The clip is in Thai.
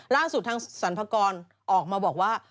ล่าสุดทางสรรพากรออกมาบอกว่า